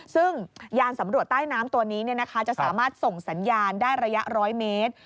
ซึ่งยานสำรวจใต้น้ำตัวนี้จะสามารถส่งสัญญาณได้ระยะ๑๐๐เมตร